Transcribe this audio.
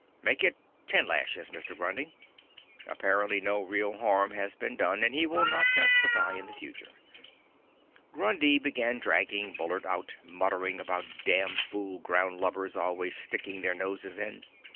"Make it ten lashes, Mr. Grundy. Apparently no real harm has been done, and he will not testify in the future." Grundy began dragging Bullard out, muttering about damn fool groundlubbers always sticking their noses in.